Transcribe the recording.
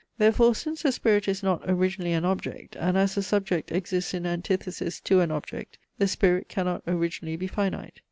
Therefore, since the spirit is not originally an object, and as the subject exists in antithesis to an object, the spirit cannot originally be finite.